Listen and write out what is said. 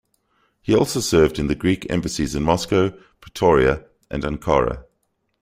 He also served in the Greek embassies in Moscow, Pretoria and Ankara.